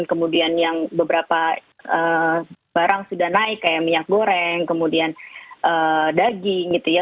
kemudian yang beberapa barang sudah naik kayak minyak goreng kemudian daging gitu ya